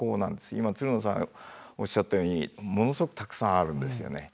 今つるのさんおっしゃったようにものすごくたくさんあるんですよね。